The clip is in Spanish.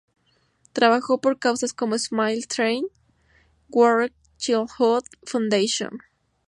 Trabajó con causas como Smile Train, World Childhood Foundation.